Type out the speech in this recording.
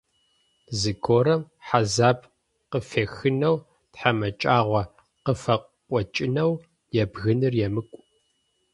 Зыгорэм хьазаб къыфехынэу, тхьамыкӏагъо къыфыкъокӏынэу ебгыныр емыкӏу.